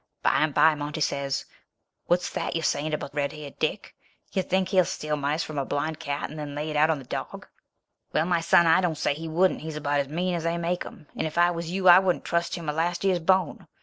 By and by Monty says, 'What's that you're saying about Red haired Dick? You think he'd steal mice from a blind cat, and then lay it on the dog? Well! my son! I don't say he wouldn't. He's about as mean as they make 'em, and if I was you I wouldn't trust him with a last year's bone!'